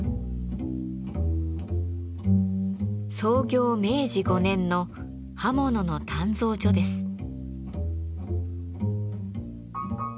創業明治５年の刃物の鍛造所です。